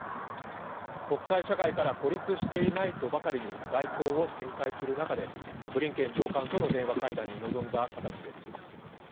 国際社会から孤立していないとばかりに、外交を展開する中で、ブリンケン長官との電話会談に臨んだ形です。